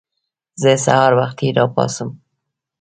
زه سهار وختي راپاڅم.